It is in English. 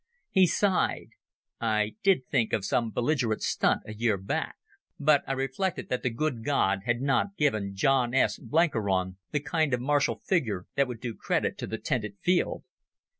He sighed. "I did think of some belligerent stunt a year back. But I reflected that the good God had not given John S. Blenkiron the kind of martial figure that would do credit to the tented field.